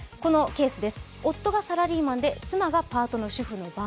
夫がサラリーマンで妻がパートの主婦の場合。